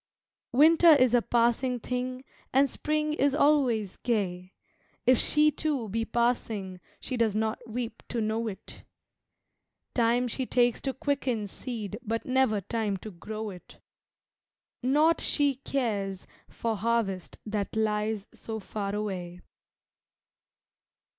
Winter is a passing thing and Spring is always gay; If she, too, be passing she does not weep to know it. Time she takes to quicken seed but never time to grow it Naught she cares for harvest that lies so far away.